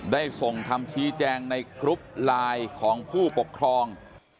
ได้ส่งคำชี้แจงในกรุ๊ปไลน์ของผู้ปกครอง